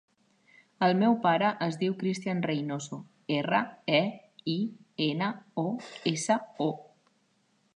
El meu pare es diu Christian Reinoso: erra, e, i, ena, o, essa, o.